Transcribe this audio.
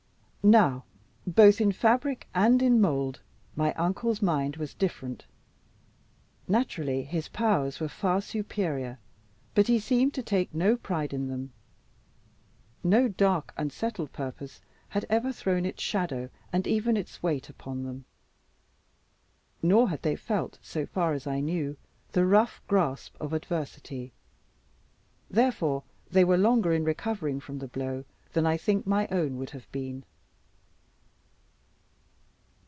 Now, both in fabric and in mould, my uncle's mind was different. Naturally his powers were far superior, but he seemed to take no pride in them. No dark and settled purpose had ever thrown its shadow, and even its weight, upon them; nor had they felt, so far as I knew, the rough grasp of adversity. Therefore they were longer in recovering from the blow, than I think my own would have been.